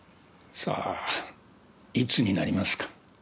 さあいつになりますか。